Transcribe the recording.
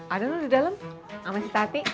ada dulu di dalam sama si tati